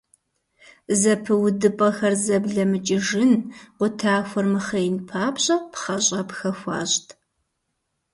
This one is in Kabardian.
Зэпыудыпӏэхэр зэблэмыкӏыжын, къутахуэр мыхъеин папщӏэ пхъэщӏэпхэ хуащӏт.